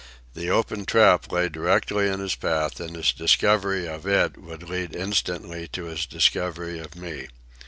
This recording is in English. The open trap lay directly in his path, and his discovery of it would lead instantly to his discovery of me.